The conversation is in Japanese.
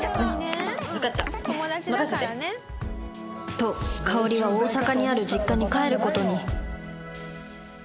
とカオリは大阪にある実家に帰る事に